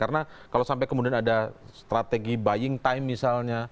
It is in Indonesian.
karena kalau sampai kemudian ada strategi buying time misalnya